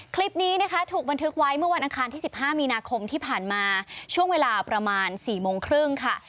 คลิปนี้นะคะถูกบันทึกไว้เมื่อวันอังคารที่๑๕มีนาคมที่ผ่านมาช่วงเวลาประมาณ๔โมงครึ่งค่ะ